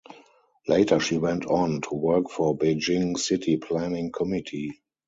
Later she went on to work for Beijing city planning committee.